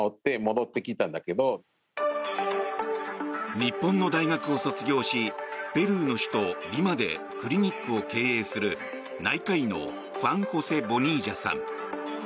日本の大学を卒業しペルーの首都リマでクリニックを経営する、内科医のファン・ホセ・ボニージャさん。